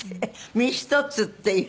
身一つっていう。